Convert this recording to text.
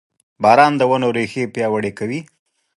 • باران د ونو ریښې پیاوړې کوي.